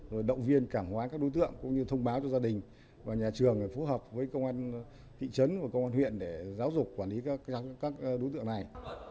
rồi động viên cảng hóa các đối tượng cũng như thông báo cho gia đình và nhà trường phù hợp với công an thị trấn và công an huyện để giáo dục quản lý các đối tượng này